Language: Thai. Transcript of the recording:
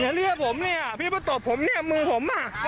อย่าเลือดผมเนี่ยพี่มาตอบผมเนี่ยมือผมอ่ะ